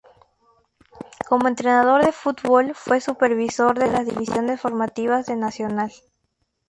Como entrenador de fútbol fue supervisor de las divisiones formativas de Nacional.